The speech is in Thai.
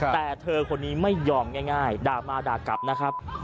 แต่เธอคนนี้ไม่ยอมง่ายด่ามาด่ากลับนะครับ